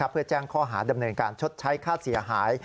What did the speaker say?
เพื่อแจ้งข้อหาดำเนินการชดใช้ค่าเสียหาย